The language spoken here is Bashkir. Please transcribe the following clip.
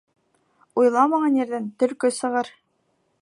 Уйламаған ерҙән төлкө сығыр